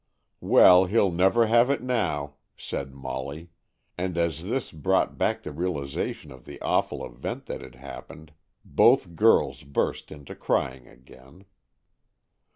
"Well, he'll never have it now," said Molly, and as this brought back the realization of the awful event that had happened, both girls burst into crying again.